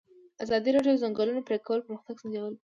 ازادي راډیو د د ځنګلونو پرېکول پرمختګ سنجولی.